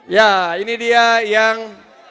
ya ini dia yang